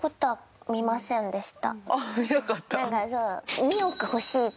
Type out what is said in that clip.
ああ見なかった。